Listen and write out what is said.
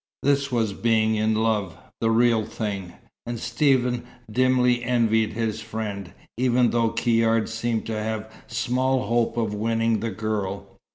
This was being in love the real thing! And Stephen dimly envied his friend, even though Caird seemed to have small hope of winning the girl.